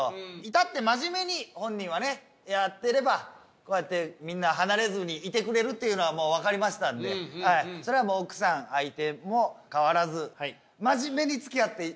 至って真面目に本人はねやってればこうやってみんな離れずにいてくれるっていうのはもうわかりましたんでそれは奥さん相手も変わらず。